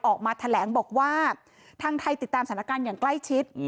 ออกมาแถลงบอกว่าทางไทยติดตามสถานการณ์อย่างใกล้ชิด